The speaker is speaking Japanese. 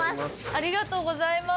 ありがとうございます。